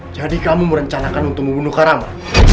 jadi kamu merencanakan untuk membunuh karama